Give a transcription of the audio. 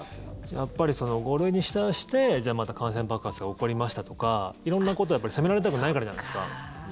やっぱり５類にしてまた感染爆発が起こりましたとか色んなこと責められたくないからじゃないですか。